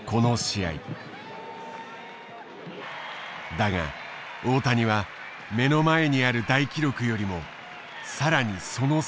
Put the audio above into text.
だが大谷は目の前にある大記録よりも更にその先を見つめていた。